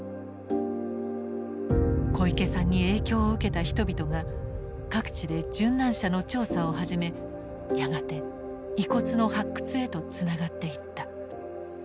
小池さんに影響を受けた人々が各地で殉難者の調査を始めやがて遺骨の発掘へとつながっていった。